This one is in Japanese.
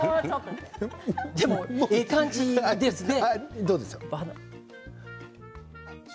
でも、ええ感じですね。